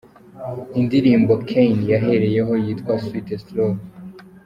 Indirimbo Kane yahereyeho yitwa Sweetest Love.